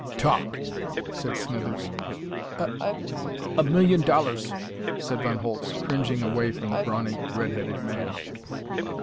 "Talk!" said Smithers. "A a million dollars," said Von Holtz, cringing away from the brawny red headed man.